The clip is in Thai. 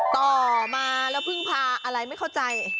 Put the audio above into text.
ต่อมาแล้วพึ่งพาอะไรไม่เข้าใจ